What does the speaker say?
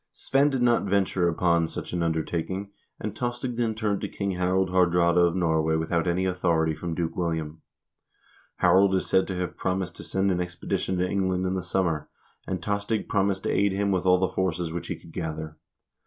Svein did not venture upon such an undertaking, and Tostig then turned to King Harald Haardraade of Norway without any authority from Duke William. Harald is said to have promised to send an expedition to England in the sum mer, and Tostig promised to aid him with all the forces which he could gather.